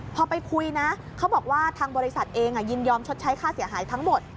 พอไปคุยนะเขาบอกว่าทางบริษัทเองยินยอมชดใช้ค่าเสียหายทั้งหมด